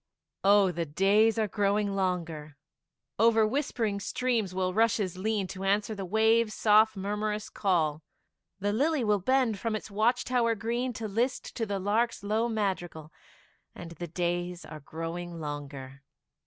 Oh, the days are growing longer; Over whispering streams will rushes lean, To answer the waves' soft murmurous call; The lily will bend from its watch tower green, To list to the lark's low madrigal, And the days are growing longer.